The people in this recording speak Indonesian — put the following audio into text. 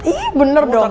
iya bener dong